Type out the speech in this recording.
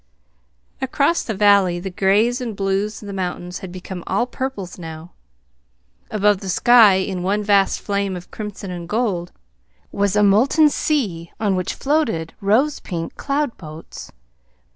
Across the valley the grays and blues of the mountains had become all purples now. Above, the sky in one vast flame of crimson and gold, was a molten sea on which floated rose pink cloud boats.